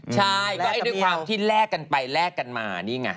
ใช่ก็ด้วยความที่แลกกันไปแลกกันมานี่ไง